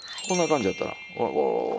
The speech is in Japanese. こんな感じやったらほらおお。